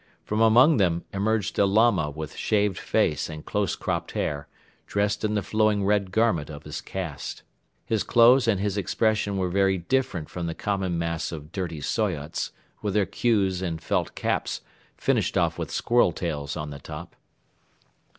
From among them emerged a Lama with shaved face and close cropped hair, dressed in the flowing red garment of his caste. His clothes and his expression were very different from the common mass of dirty Soyots with their queues and felt caps finished off with squirrel tails on the top.